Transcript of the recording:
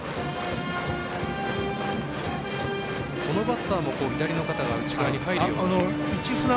このバッターも左の肩が内側に入るような。